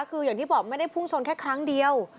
คืออย่างที่บอกไม่ได้พุ่งชนแค่ครั้งเดียว